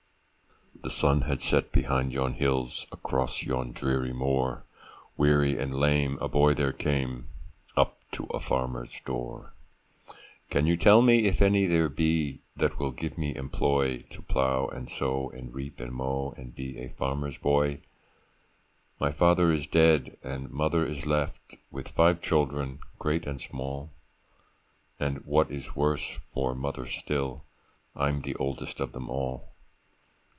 ] THE sun had set behind yon hills, Across yon dreary moor, Weary and lame, a boy there came Up to a farmer's door: 'Can you tell me if any there be That will give me employ, To plow and sow, and reap and mow, And be a farmer's boy? 'My father is dead, and mother is left With five children, great and small; And what is worse for mother still, I'm the oldest of them all.